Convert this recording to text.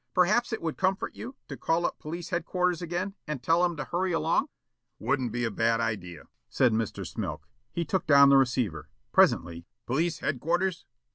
Perhaps it would comfort you to call up police headquarters again and tell 'em to hurry along?" "Wouldn't be a bad idea," said Mr. Smilk. He took down the receiver. Presently: "Police headquarters?